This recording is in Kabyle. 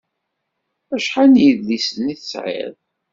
Acḥal n yedlisen i tesɛiḍ?